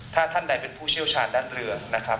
ถ้าท่านใดเป็นผู้เชี่ยวชาญด้านเรือนะครับ